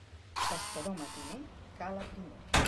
Pescador matiner cala primer.